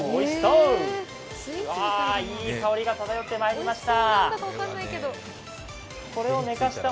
うわー、いい香りが漂ってまいりました。